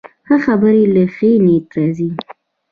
ښه خبرې له ښې نیت راځي